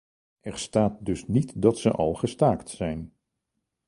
Er staat dus niet dat ze al gestaakt zijn.